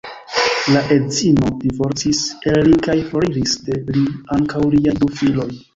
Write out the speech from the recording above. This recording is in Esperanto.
La edzino divorcis el li kaj foriris de li ankaŭ liaj du filoj.